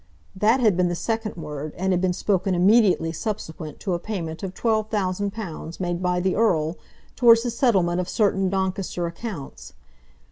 That had been the second word, and had been spoken immediately subsequent to a payment of twelve thousand pounds made by the Earl towards the settlement of certain Doncaster accounts.